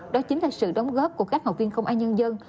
đó chính là sự đóng góp của các học viên công an nhân dân